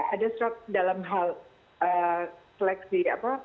ada dalam hal seleksi